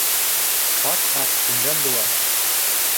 Ҡарт ат күндәм була.